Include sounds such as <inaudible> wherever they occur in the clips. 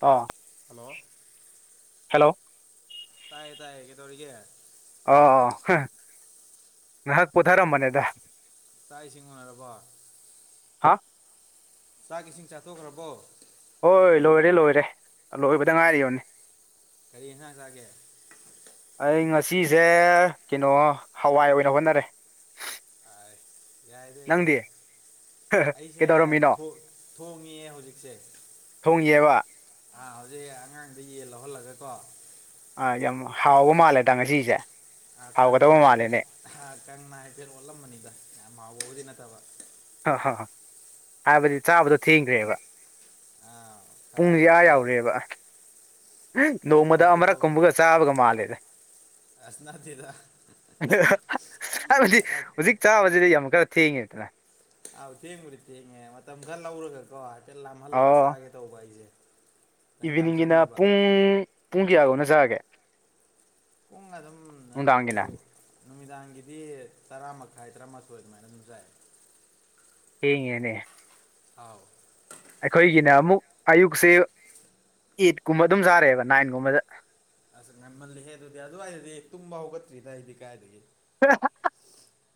ꯑ hello hello ꯇꯥꯏꯌꯦ ꯇꯥꯏꯌꯦ ꯀꯦꯗꯧꯔꯤꯒꯦ ꯑꯣ ꯍꯥ ꯉꯥꯏꯍꯥꯛ ꯄꯣꯊꯥꯔꯝꯕꯅꯦꯗ ꯆꯥꯛ ꯏꯁꯤꯡ ꯎꯅꯔꯕꯣ ꯍꯥ ꯆꯥꯛ ꯏꯁꯤꯡ ꯆꯥꯊꯣꯛꯈ꯭ꯔꯕꯣ ꯍꯣꯏ ꯂꯣꯏꯔꯦ ꯂꯣꯏꯔꯦ ꯂꯣꯏꯕꯗ ꯉꯥꯏꯔꯤꯕꯅꯤ ꯀꯔꯤꯅ ꯑꯦꯟꯖꯥꯡ ꯆꯥꯒꯦ ꯑꯩ ꯉꯁꯤꯁꯦ ꯀꯩꯅꯣ ꯍꯋꯥꯏ ꯑꯣꯏꯅ ꯍꯣꯠꯅꯔꯦ ꯑ ꯌꯥꯏꯗ ꯅꯪꯗꯤ ꯌꯥꯏꯗ ꯑꯩꯁꯦ ꯀꯩꯗꯧꯔꯝꯃꯤꯅꯣ ꯊꯣꯡꯉꯑꯦ ꯍꯧꯖꯤꯛꯁꯦ ꯊꯣꯡꯉꯤꯑꯕ ꯑꯥ ꯍꯧꯖꯤꯛ ꯑꯉꯥꯡꯗ ꯌꯦꯟ ꯂꯧꯍꯜꯂꯒꯀꯣ ꯑꯥꯏ ꯌꯥꯝ ꯍꯥꯎꯕ ꯃꯥꯜꯂꯦꯗ ꯉꯁꯤꯁꯦ ꯍꯥꯎꯒꯗꯕ ꯀꯥꯡꯅ ꯍꯥꯏꯐꯦꯠ ꯃꯥꯜꯂꯦꯅꯦ ꯀꯥꯡꯅ ꯍꯥꯏꯐꯦꯠ ꯑꯣꯠꯂꯝꯕꯅꯤꯗ ꯌꯥꯝ ꯃꯍꯥꯎꯕꯕꯨꯗꯤ ꯅꯠꯇꯕ ꯍꯥ ꯍ ꯥꯍꯥꯏꯕꯗꯤ ꯆꯥꯕꯗꯣ ꯊꯦꯡꯈ꯭ꯔꯦꯕ ꯑꯥ ꯈꯔ ꯄꯨꯡꯁ‌ꯦ ꯑꯥ ꯈꯔ ꯌꯥꯎꯔꯦꯕ ꯈꯔ ꯅꯣꯡꯃꯗ ꯇꯧꯒꯦ ꯑꯃꯛ ꯇꯧꯕ ꯀꯨꯝꯕꯒ ꯆꯥꯕꯒ ꯃꯥꯜꯂꯦꯗ ꯑꯁ ꯅꯠꯇ‌ꯦꯗ ꯍꯥꯏꯕꯗꯤ ꯀꯔꯥꯏꯗꯩ ꯍꯧꯖꯤꯛ ꯆꯥꯕꯁꯤꯗꯤ ꯌꯥꯝꯛ ꯀꯟꯅꯥ ꯊꯦꯡꯈꯤꯗ꯭ꯔ‌ꯦ ꯑꯥꯎ ꯊꯦꯡꯕꯗꯤ ꯊꯦꯡꯉꯦ ꯃꯇꯝ ꯈꯔ ꯂꯧꯔꯒꯀꯣ ꯍꯥꯏꯐꯦꯠ ꯂꯥꯝꯍꯜꯂꯒ ꯑꯣ ꯆꯥꯒꯦ ꯇꯧꯕ ꯑꯩꯁꯦ ꯅꯪ ꯌꯥꯝ ꯏꯚꯤꯅꯤꯡꯒꯤꯅ ꯆꯪꯅꯕ ꯄꯨꯡ ꯄꯨꯡ ꯀꯌꯥꯒꯧꯅ ꯆꯥꯑꯒꯦ ꯄꯨꯡ ꯑꯗꯨꯝ ꯕꯥꯔꯣ ꯅꯨꯡꯗꯥꯡꯒꯤꯅ ꯅꯨꯃꯤꯗꯥꯡꯒꯤꯗꯤ ꯇꯔꯥ ꯃꯈꯥꯏ ꯇꯔꯥꯃꯥꯊꯣꯏ ꯑꯗꯨꯃꯥꯏꯅ ꯑꯗꯨꯝ ꯆꯥꯏ ꯊ‌ꯦꯡꯉꯦꯅꯦ ꯑꯥꯎ ꯑꯩꯈꯣꯏꯒꯤꯅ ꯑꯃꯨꯛ ꯑꯌꯨꯛꯁꯦ ꯑꯩꯠ ꯀꯨꯝꯕ ꯑꯗꯨꯝ ꯆꯥꯔꯦꯕ ꯅꯥꯏꯟꯒꯨꯝꯕꯗ ꯑꯁ ꯉꯝꯃꯜꯜꯂꯤꯍꯦ ꯑꯗꯨꯗꯤ ꯑꯗꯨꯋꯥꯏꯗꯗꯤ ꯇꯨꯡꯕꯥꯎꯒꯠꯇ꯭ꯔꯤꯗ ꯑꯩꯗꯤ ꯀꯥꯏꯗꯒꯤ ꯍ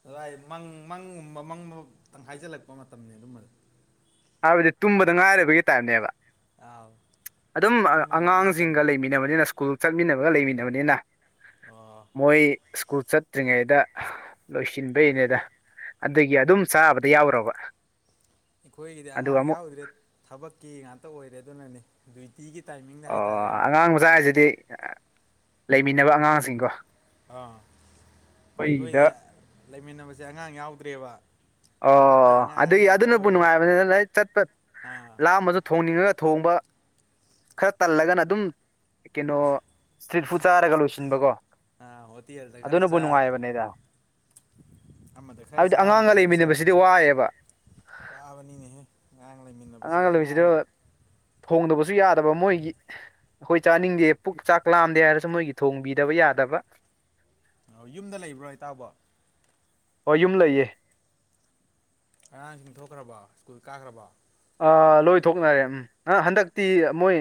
ꯑꯗꯨꯏ ꯃꯪ ꯃꯪꯒꯨꯝꯕ ꯃꯪ ꯑꯃꯇꯪ ꯇꯪꯈꯥꯏꯆꯜꯂꯛꯄ ꯃꯇꯝꯅꯤ ꯑꯗꯨꯃꯗꯨ ꯍꯥꯏꯕꯗꯤ ꯇꯨꯝꯕꯗ ꯉꯥꯏꯔꯕꯒꯤ ꯇꯥꯏꯞꯅꯦꯕ ꯑꯥꯎ ꯑꯗꯨꯝ ꯇꯨꯝꯕ ꯅꯨꯡꯉꯥꯏꯕ ꯑꯉꯥꯡꯁꯤꯡꯒ ꯃꯇꯝꯅꯤ ꯂꯩꯃꯤꯟꯅꯅꯕꯅꯤꯅ ꯏꯁ꯭ꯀꯨꯜ ꯆꯠꯃꯤꯟꯅꯕꯒ ꯂꯩꯃꯤꯟꯅꯕꯅꯤꯅ ꯑꯣ ꯃꯣꯏ ꯏꯁ꯭ꯀꯨꯜ ꯆꯠꯇ꯭ꯔꯤꯉꯩꯗ ꯂꯣꯏꯁꯤꯟꯕꯩꯅꯦꯗ ꯑꯗꯨꯒꯤ ꯑꯗꯨꯝ ꯆꯥꯕꯗ ꯌꯥꯎꯔꯕ ꯑꯩꯈꯣꯏꯒꯤꯗꯤ ꯑꯗꯨꯒ ꯑꯉꯥꯡ ꯑꯃꯨꯛ ꯌꯥꯎꯗ꯭ꯔꯦ ꯊꯕꯛꯀꯤ ꯉꯥꯛꯇ ꯑꯣꯏꯔꯦ ꯑꯗꯨꯅꯅꯤ ꯑꯗꯨꯏ ꯇꯤꯒꯤ ꯇꯥꯏꯃꯤꯡꯗ ꯍꯥꯏꯇꯥꯔꯦꯅꯦ ꯑꯣꯖꯥ ꯍꯥꯏꯁꯤꯗꯤ ꯂꯩꯃꯤꯟꯅꯕ ꯑꯉꯥꯡꯁꯤꯡꯀꯣ ꯑꯥ ꯑꯩꯈꯣꯏꯗ ꯑꯩꯈꯣꯏꯗꯤ ꯂꯩꯃꯤꯟꯅꯕꯁꯦ ꯑꯉꯥꯡ ꯌꯥꯎꯗ꯭ꯔꯦꯕ ꯊꯕꯛꯀꯤ ꯑꫭ ꯑꯉꯥꯡ ꯑꯗꯨꯒꯤ ꯉꯥꯛꯇ ꯑꯗꯨꯅꯕꯨ ꯑꯣꯏꯔꯦ ꯅꯨꯡꯉꯥꯏꯕꯅꯤꯅ ꯆꯠꯄ ꯑꯥ ꯂꯥꯝꯃꯁꯨ ꯊꯣꯡꯅꯤꯡꯉꯒ ꯊꯣꯡꯕ ꯈꯔ ꯇꯜꯂꯒꯅ ꯑꯗꯨꯝ ꯀꯩꯅꯣ ꯏꯁꯇ꯭ꯔꯤꯠ ꯐꯨꯗ ꯆꯥꯔꯒ ꯂꯣꯏꯁꯤꯟꯕꯀꯣ ꯑꯥ ꯍꯣꯇꯦꯜꯗ ꯈꯔ ꯑꯗꯨꯅꯕꯨ ꯆꯥ ꯅꯨꯡꯉꯥꯏꯕꯅꯦꯗ ꯑꯃꯗ ꯈꯔ ꯍꯥꯏꯕꯗꯤ ꯆꯥ ꯑꯃꯗ ꯑꯉꯥꯡꯒ ꯈꯔ ꯆꯥ ꯂꯩꯃꯤꯟꯅꯕꯁꯤꯗꯤ ꯋꯥꯏꯑꯦꯕ ꯋꯥꯕꯅꯤꯅꯦꯍꯦ ꯑꯉꯥꯡ ꯂꯩꯃꯤꯟꯅ ꯑꯉꯥꯡ ꯂꯩꯕꯁꯤꯗ ꯊꯣꯡꯗꯕꯁꯨ ꯌꯥꯗꯕ ꯃꯣꯏꯒꯤ ꯑꯩꯈꯣꯏ ꯆꯥꯅꯤꯡꯗꯦ ꯄꯨꯛ ꯆꯥꯛ ꯂꯥꯝꯗꯦ ꯍꯥꯏꯔꯁꯨ ꯃꯣꯏꯒꯤ ꯊꯣꯡꯕꯤꯗꯕ ꯌꯥꯗꯕ ꯑꫭ ꯌꯨꯝꯗ ꯂꯩꯕ꯭ꯔꯣ ꯏꯇꯥꯎꯕꯨ ꯍꯣꯏ ꯌꯨꯝ ꯂꯩꯌꯦ ꯑꯉꯥꯡꯁꯤꯡ ꯊꯣꯛꯈ꯭ꯔꯕꯣ ꯏꯁ꯭ꯀꯨꯜ ꯀꯥꯈ꯭ꯔꯕꯣ ꯑꯥ ꯂꯣꯏꯊꯣꯛꯅꯔꯦ ꯎꯝ ꯑ ꯍꯟꯗꯛꯇꯤ ꯃꯣꯏ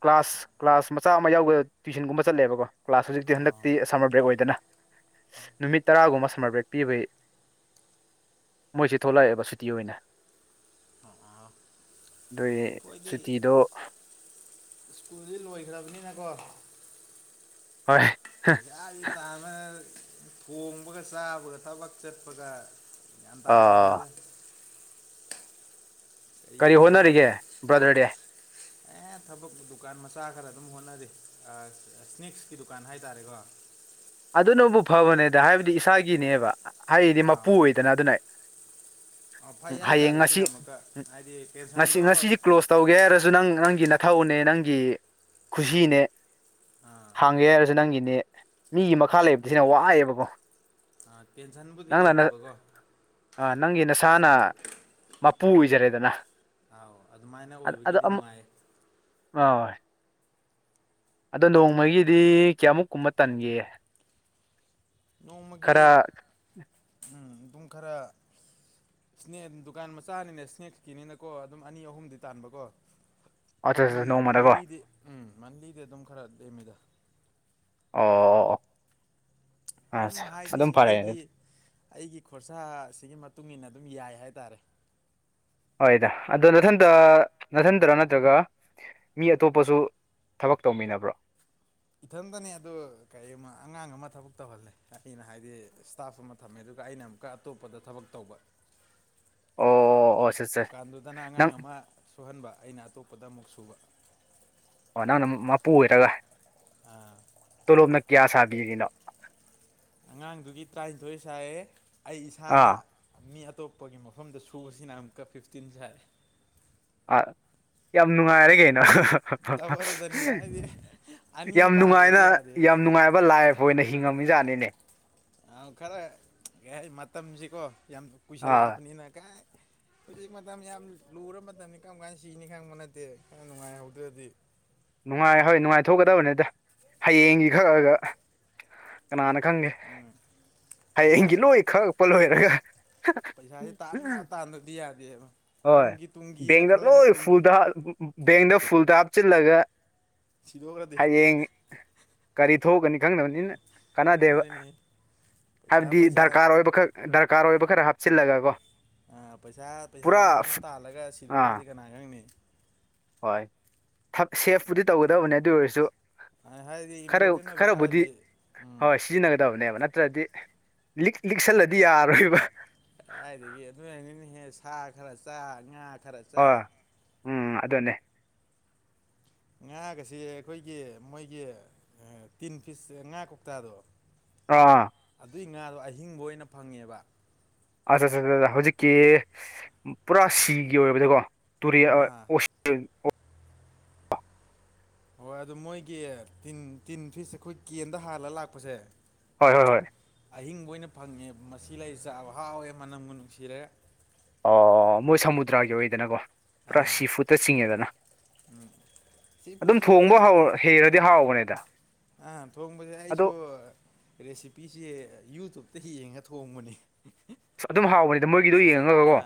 ꯀ꯭ꯂꯥꯁ ꯀ꯭ꯂꯥꯁ ꯃꯆꯥ ꯑꯃ ꯌꯥꯎꯕꯦ ꯇ꯭ꯋꯏꯁꯟꯒꯨꯝꯕ ꯆꯠꯂꯦꯕꯀꯣ ꯀ꯭ꯂꯥꯁ ꯍꯧꯖꯤꯛꯇꯤ ꯑꯣ ꯍꯟꯗꯛꯇꯤ ꯁꯝꯃꯔ ꯕ꯭ꯔꯦꯛ ꯑꯣꯏꯗꯅ ꯅꯨꯃꯤꯠ ꯇꯔꯥꯒꯨꯝꯕ ꯁꯝꯃꯔ ꯕ꯭ꯔꯦꯛ ꯄꯤꯕꯩ ꯃꯣꯏꯁꯤ ꯊꯣꯛꯂꯛꯑꯦꯕ ꯁꯨꯇꯤ ꯑꯣꯏꯅ ꯑꯥ ꯑꯥ ꯗꯨꯏ ꯁꯨꯇꯤꯗꯣ ꯏꯁ꯭ꯀꯨꯜꯗꯤ ꯂꯣꯏꯈ꯭ꯔꯕꯅꯤꯅ ꯀꯣ ꯍꯣꯏ ꯄꯩꯁꯥꯒꯤ ꯇꯥꯟꯕ ꯊꯣꯡꯕꯒꯥ ꯆꯥꯕꯒ ꯊꯕꯛ ꯆꯠꯄꯒ ꯒ꯭ꯌꯥꯟ ꯑ ꯇꯥꯗ꯭ꯔꯕꯅꯤꯗ ꯀꯔꯤ ꯑꯩꯕꯨ ꯊꯣꯡꯉ ꯍꯣꯠꯅꯔꯤꯒꯦ ꯆꯥ ꯕ꯭ꯔꯗꯔꯗꯤ ꯑꯦ ꯊꯕꯛ ꯗꯨꯀꯥꯟ ꯃꯆꯥ ꯈꯔ ꯑꯗꯨꯝ ꯍꯣꯠꯅꯔꯤ ꯑ ꯁ꯭ꯅꯦꯛꯁꯀꯤ ꯗꯨꯀꯥꯟ ꯍꯥꯏꯇꯥꯔꯦꯀꯣ ꯑꯗꯨꯅꯕꯨ ꯐꯕꯅꯦꯗ ꯍꯥꯏꯕꯗꯤ ꯏꯁꯥꯒꯤꯅꯦꯕ ꯍꯥꯏꯔꯤꯗꯤ ꯃꯄꯨ ꯑꯣꯏꯗꯅ ꯑꯗꯨꯅ ꯑ ꯐꯩ ꯍꯥꯏꯇꯥꯔꯦ ꯍꯌꯦꯡ ꯁꯤꯅ ꯉꯁꯤ ꯑꯃꯨꯛꯀ ꯍꯥꯏꯗꯤ ꯄꯦꯟꯁꯟꯗꯣ ꯉꯁꯤ ꯉꯁꯤꯗꯤ ꯀ꯭ꯂꯣꯁ ꯇꯧꯒꯦ ꯍꯥꯏꯔꯁꯨ ꯅꯪ ꯅꯪꯒꯤ ꯅꯊꯧꯅꯦ ꯅꯪꯒꯤ ꯈꯨꯁꯤꯅꯦ ꯍꯥꯡꯒꯦ ꯍꯥꯏꯔꯁꯨ ꯅꯪꯒꯤꯅꯦ ꯃꯤꯒꯤ ꯃꯈꯥ ꯂꯩꯕꯁꯤꯅ ꯋꯥꯑꯦꯕꯀꯣ ꯑꯥ ꯇꯦꯟꯁꯟꯕꯨꯗꯤ ꯂꯩꯇꯕꯀꯣ ꯑꯥ ꯅꯪꯒꯤ ꯅꯁꯥꯅ ꯏꯁꯥꯒꯤ ꯃꯄꯨ ꯑꯣꯏꯖꯔꯦꯗꯅ ꯑꯥꯎ ꯑꯗꯨꯃꯥꯏꯅ ꯑꯠ ꯑꯗꯣ ꯑꯣꯏꯕꯒꯤꯗꯤ ꯑꯃ ꯅꯨꯡꯉꯥꯏꯌꯦ ꯑ ꯑꯗꯣ ꯅꯣꯡꯃꯒꯤꯗꯤ ꯀꯌꯥꯃꯨꯛ ꯀꯨꯝꯕ ꯇꯟꯒꯦ ꯅꯣꯡꯃꯒꯤ ꯈꯔ ꯎꯝ ꯑꯗꯨꯝ ꯈꯔ ꯏꯁꯅꯦꯟ ꯗꯨꯀꯥꯟ ꯃꯆꯥꯅꯤꯅꯦ ꯏꯁ꯭ꯅꯦꯛ ꯀꯤꯅꯤꯅꯀꯣ ꯑꯗꯨꯝ ꯑꯅꯤ ꯑꯍꯨꯝꯗꯤ ꯇꯥꯟꯕꯀꯣ ꯑꯆꯥ ꯃꯟ ꯅꯣꯡꯃꯗꯀꯣ ꯃꯜꯂꯤꯗꯤ ꯎꯝ ꯃꯜꯂꯤꯗꯤ ꯑꯗꯨꯝ ꯈꯔ ꯂꯦꯝꯃꯤꯗ ꯑꯥꯎ ꯑꯣ ꯑ ꯑꯗꯨꯝ ꯍꯥꯏꯗꯤ ꯑꯗꯨꯝ ꯑꯩꯒꯤ ꯐꯔꯦ ꯑꯩꯒꯤ ꯈꯣꯔꯁꯥꯁꯤꯒꯤ ꯃꯇꯨꯡ ꯏꯟꯅ ꯑꯗꯨꯝ ꯌꯥꯏ ꯍꯥꯏꯇꯥꯔꯦ ꯍꯣꯏꯗ ꯑꯗꯣ ꯅꯊꯟꯇ ꯅꯊꯟꯇꯔꯥ ꯅꯠꯇ꯭ꯔꯒ ꯃꯤ ꯑꯇꯣꯞꯄꯁꯨ ꯊꯕꯛ ꯇꯧꯃꯤꯟꯅꯕ꯭ꯔꯣ ꯏꯊꯟꯗꯅꯦ ꯑꯗꯨ ꯀꯩꯝꯃ ꯑꯉꯥꯡ ꯑꯃ ꯊꯕꯛ ꯇꯧꯍꯜꯂꯦ ꯑꯩꯅ ꯍꯥꯏꯗꯤ ꯏꯁꯇꯥꯐ ꯑꯃ ꯊꯝꯃꯦ ꯑꯗꯨꯒ ꯑꯩꯅ ꯑꯝ ꯀꯥ ꯑꯇꯣꯞꯄꯗ ꯊꯕꯛ ꯇꯧꯕ ꯑꯣ ꯑꯣ ꯁꯠ ꯁꯠ ꯗꯨꯀꯥꯟꯗꯨꯗꯅ ꯅꯪ ꯑꯉꯥꯡ ꯑꯃ ꯁꯨꯍꯟꯕ ꯑꯩꯅ ꯑꯇꯣꯞꯄꯗ ꯑꯃꯨꯛ ꯁꯨꯕ ꯑꯣ ꯅꯪꯅ ꯃꯄꯨ ꯑꯣꯏꯔꯒ ꯇꯣꯂꯣꯞꯅ ꯀꯌꯥ ꯁꯥꯕꯤꯔꯤꯅꯣ ꯑꯉꯥꯡꯗꯨꯒꯤ ꯇꯔꯥꯅꯤꯊꯣꯏ ꯁꯥꯏꯌꯦ ꯑꯩ ꯏꯁꯥꯅ ꯑꯥ ꯃꯤ ꯑꯇꯣꯞꯄꯒꯤ ꯃꯐꯝꯗ ꯁꯨꯕꯁꯤꯅ ꯑꯃꯨꯛꯀ ꯐꯤꯐꯇꯤꯟ ꯁꯥꯏ ꯑ ꯌꯥꯝ ꯅꯨꯡꯉꯥꯏꯔꯦ ꯀꯩꯅꯣ ꯗꯕꯜꯗꯅꯤꯗ ꯑꯩꯗꯤ ꯑꯅꯤ ꯌꯥꯝ ꯄꯥꯗ꯭ꯔꯗꯤ ꯅꯨꯡꯉꯥꯏꯅ ꯌꯥꯗꯦ ꯌꯥꯝ ꯅꯨꯡꯉꯥꯏꯕ ꯂꯥꯏꯐ ꯑꯣꯏꯅ ꯍꯤꯡꯉꯝꯃꯤꯖꯥꯠꯅꯤꯅꯦ ꯑ ꯈꯔ ꯌꯥꯏ ꯃꯇꯝꯁꯤꯀꯣ ꯌꯥꯝ ꯑꯥ ꯀꯨꯏꯁꯜꯂꯛꯄꯅꯤꯅ ꯀꯥꯏ ꯍꯧꯖꯤꯛ ꯃꯇꯝ ꯌꯥꯝ ꯂꯨꯔ ꯃꯇꯝꯅꯤ ꯀꯔꯝ ꯀꯥꯟ ꯁꯤꯅꯤ ꯈꯪꯕ ꯅꯠꯇꯦ ꯈꯔ ꯅꯨꯡꯉꯥꯏꯍꯧꯗ꯭ꯔꯗꯤ ꯅꯨꯡꯉꯥꯏ ꯍꯣꯏ ꯅꯨꯡꯉꯥꯏꯊꯣꯛꯀꯗꯕꯅꯤꯠꯇ ꯍꯌꯦꯡꯒꯤ ꯈꯛꯑꯒ ꯀꯅꯥꯅ ꯈꯪꯅꯤ ꯎꯝ ꯍꯌꯦꯡꯒꯤ ꯄꯩꯁꯥꯁꯦ ꯂꯣꯏ ꯈꯛꯄ ꯂꯣꯏꯔꯒ ꯄꯩꯁꯥꯥꯁꯦ ꯇꯥꯟ ꯌꯥꯕ ꯇꯥꯟꯗꯕꯗꯤ ꯌꯥꯗꯦꯕ ꯍꯣꯏ ꯇꯨꯡꯒꯤ ꯇꯨꯡꯒꯤꯅ ꯕꯦꯡꯗ ꯈꯜꯂꯒ ꯂꯣꯏ ꯇꯨꯡ ꯐꯨꯜꯗ ꯕꯦꯡꯗ ꯐꯨꯜꯗ ꯍꯥꯞꯆꯤꯜꯂꯒ ꯁꯤꯗꯣꯛꯈ꯭ꯔꯗꯤ ꯍꯌꯦꯡ ꯀꯔꯤ ꯊꯣꯛꯒꯅꯤ ꯈꯪꯅꯕꯅꯤꯅ ꯀꯥꯟꯅꯥꯗꯦꯕ ꯑꯗꯨꯅꯤ ꯄꯩꯁꯥ ꯍꯥꯏꯕꯗꯤ ꯄꯩꯁꯥ ꯗꯔꯀꯥꯔ ꯑꯣꯏꯕ ꯈꯛ ꯗꯔꯀꯥꯔ ꯑꯣꯏꯕ ꯈꯔ ꯍꯥꯞꯆꯤꯜꯂꯒ ꯀꯣ ꯑ ꯄꯩꯁꯥ ꯄꯨꯔꯥ ꯄꯩꯁꯥꯅ ꯁꯨꯝ ꯇꯥꯜꯂꯒ ꯑꯥ ꯁꯤꯗꯣꯛꯈ꯭ꯔꯗꯤ ꯀꯅꯥ ꯈꯪꯅꯤ ꯍꯣꯏ ꯊꯛ ꯁꯦꯐꯄꯨꯗꯤ ꯇꯧꯒꯗꯕꯅꯦ ꯑꯗꯨ ꯑꯣꯏꯔꯁꯨ ꯍꯥ ꯍꯥꯏꯗꯤ ꯈꯔ ꯏꯝꯄꯣꯔꯇꯦꯟ ꯑꯣꯏꯕ ꯈꯔꯕꯨꯗꯤ ꯈꯔꯗꯤ ꯍꯣꯏ ꯁꯤꯖꯤꯟꯅꯒꯗꯕꯅꯦꯕ ꯅꯠꯇ꯭ꯔꯗꯤ ꯂꯤꯛ ꯂꯤꯛꯁꯜꯂꯗꯤ ꯌꯥꯔꯣꯏꯕ ꯀꯗꯥꯏꯗꯒꯤ ꯑꯗꯨꯅꯅꯤꯅꯦꯍꯦ ꯁꯥ ꯈꯔ ꯆꯥ ꯉꯥ ꯈꯔ ꯍꯣꯏ ꯆꯥ ꯎꯝ ꯑꯗꯨꯅꯦ ꯉꯥꯒꯁꯤ ꯑꯈꯣꯏꯒꯤ ꯃꯣꯏꯒꯤ ꯇꯤꯟ ꯐꯤꯁ ꯉꯥ ꯀꯣꯛꯇꯥꯗꯣ ꯑꯥ ꯑꯗꯨꯏ ꯉꯥꯗꯣ ꯑꯍꯤꯡꯕ ꯑꯣꯏꯅ ꯐꯪꯉꯦꯕ ꯑꯆꯥ ꯆꯥ ꯆꯥ ꯆꯥ ꯍꯧꯖꯤꯛꯀꯤ ꯄꯨꯔꯥ ꯁꯤꯒꯤ ꯑꯣꯏꯕꯗꯀꯣ ꯇꯨꯔꯦꯜ ꯑ ꯑꫭ ꯑꯥ <unintelligible> ꯑꯣ ꯍꯣꯏ ꯑꯗꯨ ꯃꯣꯏꯒꯤ ꯇꯤꯟ ꯇꯤꯟ ꯐꯤꯁ ꯑꯩꯈꯣꯏ ꯀꯦꯟꯗ ꯍꯥꯜꯂ ꯂꯥꯛꯄꯁꯦ꯫ ꯍꯣꯏ ꯍꯣꯏ ꯍꯣꯏ ꯑꯍꯤꯡꯕ ꯑꯣꯏꯅ ꯐꯪꯉꯦ ꯃꯁꯤ ꯂꯩ ꯆꯥꯕ ꯍꯥꯎꯋꯦ ꯃꯅꯝꯒ ꯅꯨꯡꯁꯤꯔꯒ ꯑꯣ ꯃꯣꯏ ꯁꯃꯨꯗ꯭ꯔꯥꯒꯤ ꯑꯣꯏꯗꯅꯀꯣ ꯄꯨꯔꯥ ꯑꯥ ꯁꯤ ꯐꯨꯠꯇ ꯆꯤꯡꯉꯦꯗꯅ ꯎꯝ ꯁꯤ ꯑꯗꯨꯝ ꯐꯨꯠꯇꯤ ꯃꯈꯟ ꯊꯣꯡꯕ ꯍꯧ ꯃꯈꯟ ꯍꯩꯔꯗꯤ ꯍꯥꯎꯕꯅꯦꯗ ꯑꯥ ꯊꯣꯡꯕꯁꯦ ꯑꯗꯣ ꯑꯩꯁꯨ ꯔꯦꯁꯤꯄꯤꯁꯦ ꯌꯨꯇꯨꯨꯞꯇ ꯌꯦꯡꯉ ꯊꯣꯡꯕꯅꯦ꯫ ꯑꯁ ꯑꯗꯨꯝ ꯍꯥꯎꯕꯅꯤꯗ ꯃꯣꯏꯒꯤꯗꯣ ꯌꯦꯡꯉꯒꯒꯀꯣ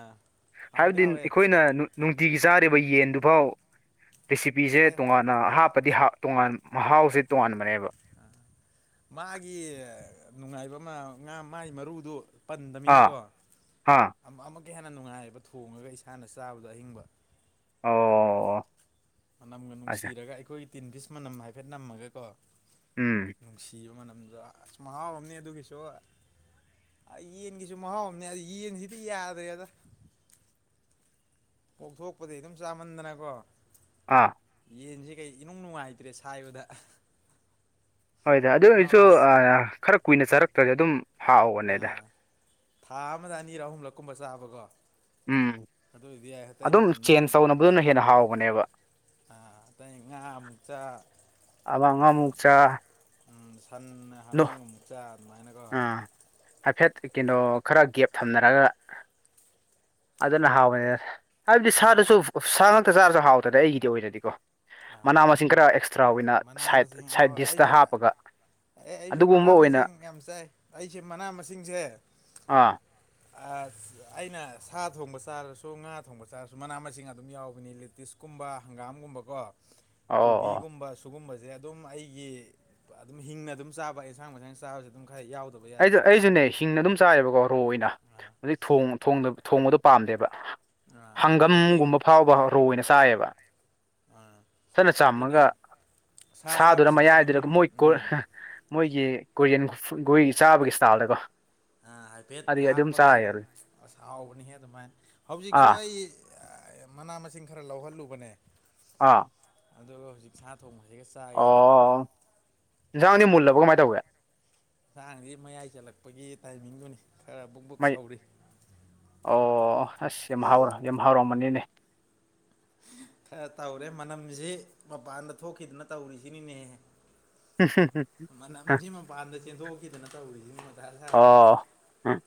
ꯍꯥꯎꯗꯤ ꯍꯥꯏꯕꯗꯤ ꯍꯥꯎꯋꯦ ꯑꯩꯈꯣꯏꯅ ꯅꯨ ꯅꯨꯡꯇꯤꯒꯤ ꯆꯥꯔꯤꯕ ꯌꯦꯟꯗꯨꯐꯥꯎ ꯔꯦꯁꯤꯄꯤꯁꯦ ꯑꯦ ꯇꯣꯉꯥꯟ ꯅ ꯍꯥꯞꯄꯗꯤ ꯍꯥꯎ ꯇꯣꯉꯥꯟ ꯃꯍꯥꯎꯁꯦ ꯇꯣꯉꯥꯟꯕꯅꯦꯕ ꯑꯥ ꯃꯥꯒꯤ ꯅꯨꯡꯉꯥꯏꯕ ꯑꯃ ꯉꯥ ꯃꯥꯒꯤ ꯃꯔꯨꯗꯨ ꯑꯥ ꯄꯟꯗꯅꯤꯅꯀꯣ ꯑꯥ ꯑꯃꯨꯛꯀ ꯍꯦꯟꯅ ꯅꯨꯡꯉꯥꯏꯕ ꯊꯣꯡꯉꯒ ꯏꯁꯥꯅ ꯆꯥꯕꯗꯣ ꯑꯍꯤꯡꯕ ꯑꯣ ꯃꯅꯝꯒ ꯑꯁꯦ ꯅꯨꯡꯁꯤꯔꯒ ꯑꯩꯈꯣꯏꯒꯤ ꯇꯤꯟ ꯄꯤꯁ ꯃꯅꯝ ꯍꯥꯏꯐꯦꯠ ꯅꯝꯃꯒꯀꯣ꯫ ꯎꯝ꯫ ꯅꯨꯡꯁꯤꯕ ꯃꯅꯝꯗꫭ ꯑꯁ ꯃꯍꯥꯎ ꯑꯃꯅꯤ ꯑꯗꯨꯒꯤꯁꯨ ꯌꯦꯟꯒꯤꯁꯨ ꯃꯍꯥꯎ ꯑꯃꯅꯦ ꯑ ꯌꯦꯟꯁꯤꯗꯤ ꯌꯥꯗ꯭ꯔꯦꯗ ꯄꫭꯛꯊꯣꯛꯄꯗꯤ ꯑꯗꯨꯝ ꯆꯥꯃꯟꯗꯅꯀꯣ ꯑꯥ ꯌꯦꯟꯁꯦ ꯀꯩ ꯏꯅꯨꯡ ꯅꯨꯡꯉꯥꯏꯇ꯭ꯔꯦ ꯁꯥꯏꯕꯗ ꯍꯣꯏꯗ ꯑꯗꯨ ꯑꯣꯏꯁꯨ ꯃꯍꯥꯎꯁꯤ ꯑ ꯈꯔ ꯀꯨꯏꯅ ꯆꯥꯔꯛꯇ꯭ꯔꯗꯤ ꯑꯗꯨꯝ ꯍꯥꯎꯕꯅꯦꯗ ꯑꯥ ꯊꯥ ꯑꯃꯗ ꯑꯅꯤꯔꯛ ꯑꯍꯨꯝꯂꯛꯀꯨꯝꯕ ꯆꯥꯕꯀꯣ꯫ ꯎꯝ ꯑꯗꯨꯗꯤ ꯌꯥꯏ ꯑꯇꯩ ꯑꯗꯨꯝ ꯃꯇꯝꯗ ꯅꯪ ꯆꯦꯟꯖ ꯇꯧꯅꯕꯗꯨꯅ ꯍꯦꯟꯅ ꯍꯥꯎꯕꯅꯦꯕ ꯑ ꯑꯇꯩ ꯉꯥ ꯑꯃꯨꯛ ꯆꯥ ꯑꯃ ꯎꯝ ꯑꯃꯃꯨꯛ ꯆꯥ ꯎꯝ ꯁꯟꯅ ꯅꯣ ꯍꯥꯃꯦꯡ ꯑꯃꯨꯛꯆꯥ ꯑꯗꯨꯃꯥꯏꯅꯀꯣ ꯑꯥ ꯍꯥꯏꯐꯦꯠ ꯀꯩꯅꯣ ꯈꯔ ꯒꯦꯞ ꯊꯝꯅꯔꯒ ꯑꯗꯨꯅ ꯍꯥꯎꯕꯅꯤꯗ ꯍꯥꯏꯕꯗꯤ ꯁꯥꯗꯁꯨ ꯁꯥ ꯉꯥꯛꯇ ꯆꯥꯔꯁꯨ ꯍꯥꯎꯗ꯭ꯔꯗꯤ ꯑꯩꯒꯤꯗꯤ ꯑꯣꯏꯅꯗꯤꯀꯣ ꯃꯅꯥ ꯃꯁꯤꯡ ꯈꯔ ꯑꯦꯁ ꯇ꯭ꯔꯥ ꯑꫭꯏꯅ ꯃꯅꯥ ꯁꯥꯏꯠ ꯃꯁꯤꯡ ꯁꯥꯏꯠ ꯗꯤꯁꯇ ꯑꯩꯁꯨ ꯍꯥꯞꯄꯒ ꯑꯦ ꯑꯩꯁꯨ ꯃꯅꯥ ꯑꯗꯨꯒꯨꯝꯕ ꯑꯣꯏꯅ ꯃꯁꯤꯡ ꯌꯥꯝ ꯆꯥꯏ ꯑꯩꯁꯦ ꯃꯅꯥ ꯃꯁꯤꯡꯁꯦ ꯑꯥ ꯑꯁ ꯑꯩꯅ ꯁꯥ ꯊꯣꯡꯕ ꯆꯥꯔꯁꯨ ꯉꯥ ꯊꯣꯡꯕ ꯆꯥꯔꯁꯨ ꯃꯅꯥ ꯃꯁꯤꯡ ꯑꯗꯨꯝ ꯌꯥꯎꯕꯅꯤ ꯂꯤꯇꯤꯁ ꯀꯨꯝꯕ ꯍꯪꯒꯥꯝꯒꯨꯝꯀꫭ ꯑꯣ ꯑꯣ ꯀꯣꯕꯤꯒꯨꯝꯕ ꯁꯨꯒꯨꯝꯕꯁꯦ ꯑꯗꯨꯝ ꯑꯩꯒꯤ ꯑꯗꯨꯝ ꯍꯤꯡꯅ ꯑꯗꯨꯝ ꯆꯥꯕ ꯑꯦꯟꯁꯥꯡ ꯃꯁꯥꯡꯅ ꯆꯥꯕꯁꯦ ꯑꯗꯨꯝ ꯈꯔ ꯌꯥꯎꯗꯕ ꯌꯥꯗꯦ ꯑꯩꯁꯨ ꯑꯩꯁꯨꯅꯦ ꯍꯤꯡ ꯑꯗꯨꯝ ꯆꯥꯏꯑꯕꯀꯣ ꯔꯣ ꯑꯣꯏꯅ ꯑꯥ ꯑꯗꯥꯏ ꯊꫭꯡ ꯊꫭꯡꯗꯕ ꯊꯣꯡꯕꯗꯣ ꯄꯥꯝꯗꯦꯕ ꯑꯥ ꯑꯗꯒꯤ ꯍꯪꯒꯝꯒꯨꯝꯕ ꯐꯥꯎꯕ ꯔꯣ ꯑꫭꯏꯅ ꯆꯥꯏꯑꯦꯕ ꯆꯠꯅ ꯆꯥꯝꯃꯒ ꯑꯗꯨꯅꯦ ꯁꯥ ꯁꯥꯗꯨꯗ ꯆꯥꯕꯁꯤꯗ ꯑꯗꯨꯝ ꯃꯌꯥꯏꯗꯨꯗ ꯃꯣꯏ ꯀꯨꯔ ꯎꯝ ꯃꯣꯏꯒꯤ ꯀꯣꯔꯤꯌꯟ ꯐꯨꯠ ꯒꯨꯏ ꯆꯥꯕꯒꯤ ꯏꯁꯇꯥꯥꯏꯜꯗꯀꯣ꯫ ꯑꯥ ꯍꯥꯏꯐꯦꯠ ꯍꯥꯞꯄꯒ ꯑꯗꯨꯝ ꯑꯁ ꯍꯥꯎꯕꯅꯤꯍ ꯑꯗꯨꯃꯥꯏꯅ ꯍꯧꯖꯤꯛꯁꯨ ꯑꯥ ꯑꯩ ꯃꯅꯥ ꯃꯁꯤꯡ ꯈꯔ ꯂꯧꯍꯜꯂꯨꯕꯅꯦ꯫ ꯑꯥ ꯑꯗꯨꯒ ꯍꯧꯖꯤꯛ ꯁꯥ ꯊꯣꯡ ꯍꯩꯌꯦꯒ ꯆꯥ ꯑꯣ ꯏꯟꯖꯥꯡꯗꯤ ꯃꯨꯜꯂꯕꯣ ꯀꯃꯥꯏꯟ ꯇꯧꯒꯦ ꯏꯟꯖꯥꯡꯖꯤ ꯃꯌꯥꯏ ꯆꯜꯂꯛꯄꯒꯤ ꯇꯥꯏꯃꯤꯡꯗꯨꯅꯤ ꯈꯔ ꯕꯨꯛ ꯕꯨꯛ ꯃꯩ ꯁꯧꯔꯤ ꯑꯣ ꯑꯁ ꯌꯥꯝ ꯍꯥꯎꯔꯣ ꯌꯥꯝ ꯍꯥꯎꯔꯝꯃꯅꯤꯅꯦ ꯈꯔ ꯇꯧꯔꯦ ꯃꯅꯝꯁꯤ ꯃꯄꯥꯟꯗ ꯊꯣꯛꯈꯤꯗꯅ ꯇꯧꯔꯤꯁꯤꯅꯤꯅꯦꯍꯦ ꯃꯅꯝꯖꯤ ꯃꯄꯥꯟꯗ ꯆꯦꯟꯊꯣꯛꯈꯤꯗꯅ ꯇꯧꯔꯤꯖꯤ ꯃꯊꯥ ꯁꯥꯗꯅ ꯑꯣ ꯎꯝ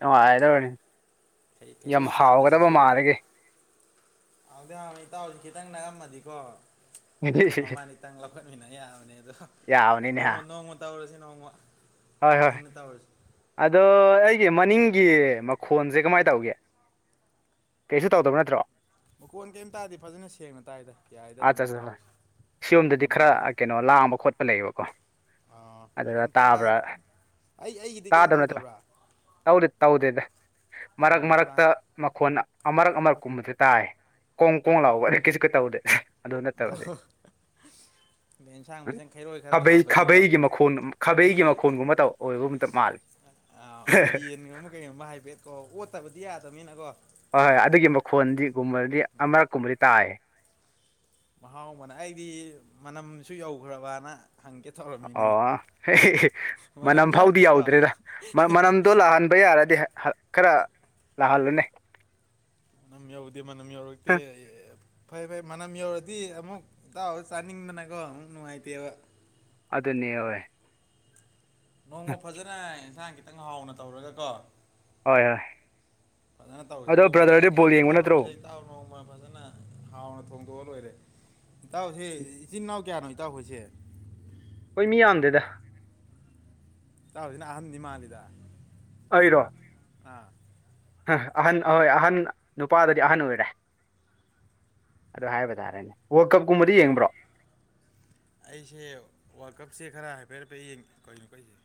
ꯅꯨꯡꯉꯥꯏꯗꯧꯔꯅꯤ ꯌꯥꯝ ꯈꯩꯔꯣꯏ ꯍꯥꯎꯒꯗꯕ ꯊꯥꯕꯁꯤꯁꯨ ꯃꯥꯜꯂꯤꯒꯤ ꯍꯥꯎꯗꯤ ꯍꯥꯎꯅꯤ ꯏꯇꯥꯎꯖꯤ ꯈꯤꯇꯪ ꯅꯛꯑꯝꯃꯗꯤꯀꯣ ꯑꯩꯈꯣ ꯃꯃꯥꯅꯤ ꯈꯤꯇꯪ ꯂꯧꯈꯠꯃꯤꯟꯅ ꯌꯥꯕꯅꯦ ꯑꯗꯣ ꯌꯥꯕꯅꯤꯅꯦ ꯍꯥ ꯅꯣꯡꯃ ꯅꯣꯡꯃ ꯇꯧꯔꯁꯤ ꯅꯣꯡꯃ ꯍꯣꯏ ꯇꯞꯅ ꯍꯣꯏ ꯏꯪꯅ ꯇꯧꯔꯁꯤ ꯑꯗꯣ ꯑꯩꯒꯤ ꯃꯅꯤꯡꯒꯤ ꯃꯈꯣꯟꯖꯦ ꯀꯃꯥꯏꯟ ꯇꯧꯒꯦ ꯀꯩꯁꯨ ꯇꯧꯗꯕ ꯅꯠꯇ꯭ꯔꯣ ꯃꯈꯣꯟ ꯀꯩꯝ ꯇꯥꯗꯦ ꯐꯖꯅ ꯁꯦꯡꯅ ꯇꯥꯏꯗ ꯌꯥꯏꯗ ꯑꯗꯨꯝ ꯏꯇꯥꯎ ꯁꯤꯌꯣꯝꯗꯗꯤ ꯈꯔ ꯀꯩꯅꯣ ꯂꯥꯡꯕ ꯈꯣꯠꯄ ꯂꯩꯌꯦꯕꯀꯣ ꯑꯥ ꯑꯗꯨꯗ <unintelligible> ꯇꯥꯕ꯭ꯔꯥ ꯇꯥꯗꯦ ꯇꯥꯗꯕ ꯅꯠꯇ꯭ꯔꯥ ꯇꯧꯗꯦ ꯇꯧꯗꯦꯗ ꯃꯔꯛ ꯑ ꯏꯕꯥꯟ ꯃꯔꯛꯇꯥ ꯃꯈꯣꯟꯅ ꯑꯃꯔꯛ ꯑꯃꯔꯛ ꯀꯨꯝꯕꯗꯤ ꯇꯥꯏ ꯀꯣꯡ ꯀꯣꯡ ꯑ ꯂꯥꯎꯕ ꯀꯩꯁꯨꯀꯩ ꯇꯧꯗꯦ ꯑꯗꯨ ꯅꯠꯇꯕꯗꯤ ꯑꯦꯟꯁꯥꯡ ꯃꯆꯪ ꯈꯩꯔꯣꯏ ꯈꯔ ꯈꯥꯕꯩ ꯊꯥꯕꯒꯤꯀꯣ ꯈꯥꯕꯩꯒꯤ ꯃꯈꯣꯟ ꯈꯥꯕꯩꯒꯤ ꯃꯈꯣꯟꯒꯨꯝꯕ ꯇꯧ ꯑꯣꯏꯕ ꯃꯇꯥ ꯃꯥꯜꯂꯦ ꯑꯥ ꯌꯦꯟꯒꯨꯝꯕ ꯀꯩꯒꯨꯝꯕ ꯍꯥꯏꯐꯦꯠꯀꯣ ꯑꯣꯠꯇꯥꯕꯗꯤ ꯌꯥꯗꯕꯅꯤꯅꯀꯣ ꯍꯣꯏ ꯍꯣꯏ ꯑꯗꯨꯒꯤ ꯃꯈꯣꯟꯗꯤꯒꯨꯝꯕꯗꯤ ꯑꯃꯔꯛꯀꯨꯝꯕꯗꯤ ꯇꯥꯏꯌꯦ ꯃꯍꯥꯎ ꯑꯃꯅ ꯑꯩꯗꯤ ꯃꯅꯝꯁꯨ ꯌꯧꯒ꯭ꯔꯥꯕꯅ ꯑꯣ ꯃꯅꯝ ꯃꯅꯝꯗꯤ ꯐꯥꯎꯗꯤ ꯂꯥꯛꯇꯦꯀꯣ ꯌꯥꯎꯗ꯭ꯔꯦꯗ ꯃꯅꯥ ꯃꯅꯝꯗꯣ ꯂꯥꯛꯍꯟꯕ ꯌꯥꯔꯗꯤ ꯈꯔ ꯂꯥꯛꯍꯜꯂꯨꯅꯦ ꯃꯅꯝ ꯌꯥꯎꯗꯦ ꯃꯅꯝ ꯌꯧꯔꯛꯇꯦ ꯐꯩ ꯐꯩ ꯃꯅꯝ ꯌꯧꯔꯗꯤ ꯑꯃꯨꯛ ꯏꯇꯥꯎ ꯆꯥꯅꯤꯡꯗꯅꯀꯣ ꯑꯃꯨꯛ ꯅꯨꯡꯉꯥꯏꯇꯦꯕ ꯑꯗꯨꯅꯦ ꯍꯣꯏ ꯅꯣꯡꯃ ꯐꯖꯅ ꯏꯟꯁꯥꯡ ꯈꯤꯇꯪ ꯍꯥꯎꯅ ꯇꯧꯔꯒꯀꯣ ꯍꯣꯏ ꯍꯣꯏ ꯐꯖꯅ ꯇꯧꯁꯦ ꯑꯗꯣ ꯑꯗꯨꯕꯨꯗꯤ ꯕ꯭ꯔꯗꯔꯗꯤ ꯑꯩ ꯕꯣꯜ ꯀꯔꯤꯝꯇꯥ ꯌꯦꯡꯕ ꯅꯠꯇ꯭ꯔꯣ ꯈꯜꯂꯨꯅꯨ ꯁꯦ ꯏꯇꯥꯎ ꯅꯣꯡꯃ ꯐꯖꯅ ꯍꯥꯎꯅ ꯊꯣꯡꯗꯣꯛꯑꯥ ꯂꯣꯏꯔꯦ ꯏꯇꯥꯎꯁꯦ ꯏꯆꯤꯟ ꯏꯅꯥꯎ ꯀꯌꯥꯅꯣ ꯏꯇꯥꯎꯈꯣꯏꯁꯦ ꯑꯈꯣꯏ ꯃꯤ ꯌꯥꯝꯗꯦꯗ ꯏꯇꯥꯎꯖꯤꯅ ꯑꯍꯟꯗꯤ ꯃꯥꯜꯂꯤꯗ ꯑꯩꯔꯣ ꯑꯥ ꯑꯍꯟ ꯑꯍꯣꯏ ꯑꯍꯟ ꯅꯨꯄꯥꯗꯗꯤ ꯑꯍꯟ ꯑꯣꯏꯔꯦ ꯑꯗꯨ ꯍꯥꯏꯕ ꯇꯥꯔꯦꯅꯦ ꯋꯥꯔꯜ ꯀꯞꯀꯨꯝꯕꯗꯤ ꯌꯦꯡꯕ꯭ꯔꯣ ꯑꯩꯁꯦ ꯋꯥꯔꯜ ꯀꯞꯁꯦ ꯈꯔ ꯍꯥꯏꯐꯦꯠ ꯍꯥꯏꯐꯦꯠ ꯌꯦꯡ ꯀꯧꯅꯣ ꯀꯛꯏꯖꯦ